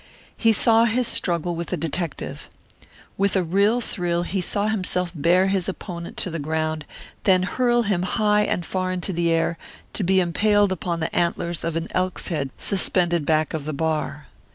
He saw his struggle with the detective. With a real thrill he saw himself bear his opponent to the ground, then hurl him high and far into the air, to be impaled upon the antlers of an elk's head suspended back of the bar.